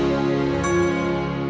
sampai jumpa lagi